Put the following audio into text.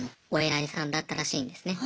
いさんだったらしいんですね。